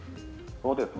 そうですね。